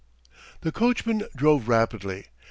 The coachman drove rapidly.